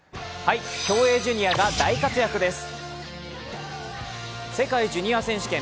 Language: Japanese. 競泳ジュニアが大活躍です。